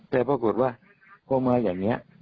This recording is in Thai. แต่ปรากฏว่าพอมาอย่างนี้